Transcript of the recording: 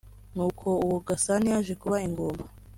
n’uko uwo Gasani yaje kuba ingumba